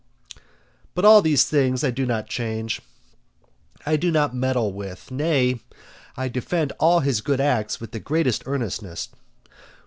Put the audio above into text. But all those things I do not change, I do not meddle with. Nay, I defend all his good acts with the greatest earnestness.